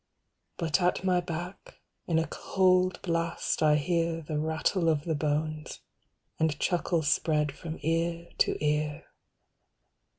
But at my back in a cold blast I hear The rattle of the bones, and chuckle spread from ear to ear.